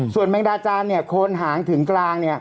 ส่วนแมงดาจานโคนหางถึงกลาง